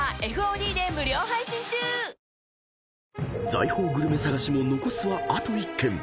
［財宝グルメ探しも残すはあと１軒］